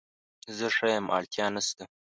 زه ښه یم اړتیا نشته